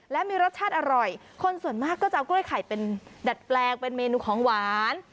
และมีรสชาติอร่อยคนส่วนมากก็จะเอากล้วยไข่เป็นดัดแปลงเป็นเมนูของหวาน